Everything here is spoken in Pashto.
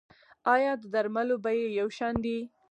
آیا د درملو بیې یو شان دي؟